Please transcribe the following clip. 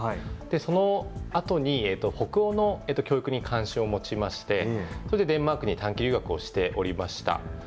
そのあとに北欧の教育に関心を持ちまして、それでデンマークに短期留学をしておりました。